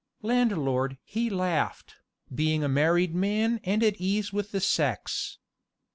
Landlord he laughed, being a married man and at ease with the sex.